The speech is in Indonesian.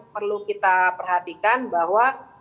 perlu kita perhatikan bahwa